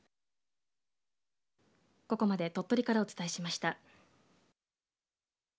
ここまで鳥取からお伝えしました。